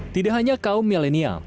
tidak hanya kaum millennial